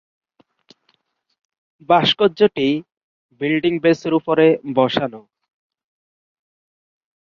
ভাস্কর্যটি বিল্ডিং বেসের উপরে বসানো।